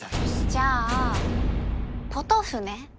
じゃあポトフね